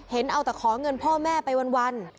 เห็นเอาแต่ขอเงินพ่อแม่ไปวัน